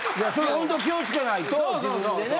ほんと気を付けないと自分でね。